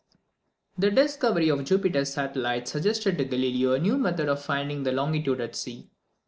The discovery of Jupiter's satellites suggested to Galileo a new method of finding the longitude at sea.